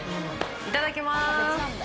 いただきます。